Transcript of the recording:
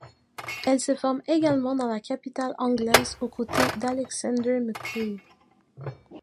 Elle se forme également dans la capitale anglaise aux côtés d'Alexander McQueen.